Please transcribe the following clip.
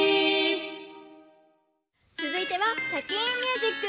つづいては「シャキーン！ミュージック」。